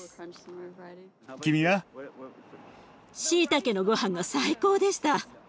しいたけのごはんが最高でした。